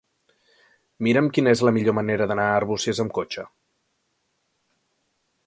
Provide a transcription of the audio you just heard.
Mira'm quina és la millor manera d'anar a Arbúcies amb cotxe.